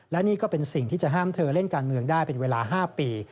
และนี่ก็เป็นสิ่งที่จะห้ามเธอเล่นการเมืองได้เป็นเวลา๕ปี